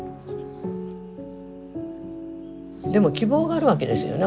でも希望があるわけですよね